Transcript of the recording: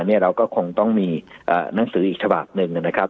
เราก็คงต้องมีหนังสืออีกฉบับหนึ่งนะครับ